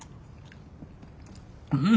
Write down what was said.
うん。